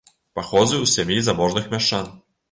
Паходзіў з сям'і заможных мяшчан.